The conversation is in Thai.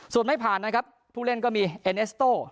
ส่วนไม่ผ่านนะครับผู้เล่นก็มีเอ็นเอสโต้